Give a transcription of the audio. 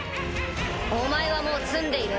お前はもう詰んでいる。